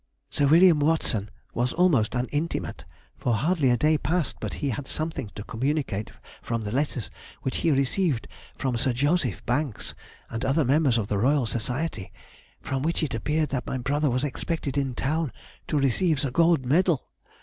Sir William Watson was almost an intimate, for hardly a day passed but he had something to communicate from the letters which he received from Sir Joseph Banks and other members of the Royal Society, from which it appeared that my brother was expected in town to receive the gold medal.